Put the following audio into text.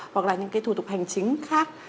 hoặc là những thủ tục hành chính khác